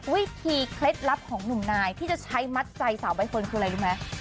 เคล็ดลับของหนุ่มนายที่จะใช้มัดใจสาวใบเฟิร์นคืออะไรรู้ไหม